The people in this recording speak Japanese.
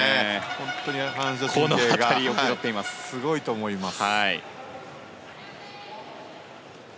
本当に反射神経がすごいと思います。